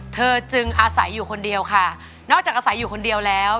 เธอจึงอาศัยอยู่คนเดียวค่ะนอกจากอาศัยอยู่คนเดียวแล้ว